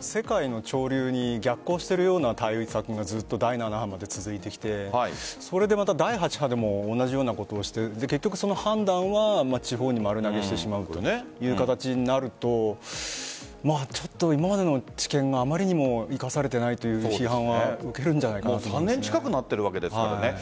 世界の潮流に逆行しているような対策を第７波まで続いてきて第８波でも同じようなことをして結局、その判断は地方に丸投げしてしまうという形になると今までの知見があまりにも生かされていないという批判は３年近くなっていますからね。